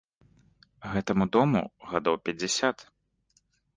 Гэтаму дому гадоў пяцьдзясят.